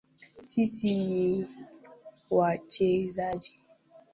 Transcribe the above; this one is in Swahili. Sisi ni wachezaji